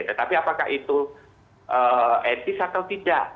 tetapi apakah itu etis atau tidak